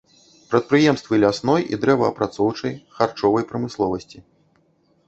Прадпрыемствы лясной і дрэваапрацоўчай, харчовай прамысловасці.